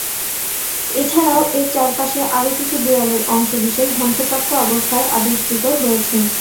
এছাড়াও এর চারপাশে আরো কিছু দেয়ালের অংশবিশেষ ধ্বংসপ্রাপ্ত অবস্থায় আবিষ্কৃত হয়েছে।